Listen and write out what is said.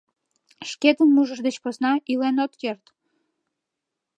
Шкетын, мужыр деч посна, илен ок керт.